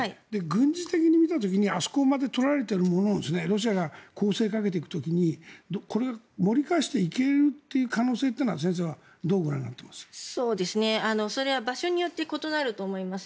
軍事的に見た時にあそこまで取られているものをロシアが攻勢かけていく時にこれを盛り返していけるという可能性というのは先生はどうご覧になっていますか？それは場所によって異なると思います。